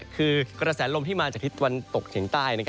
คือกระแสลมที่มาจากทิศตะวันตกเฉียงใต้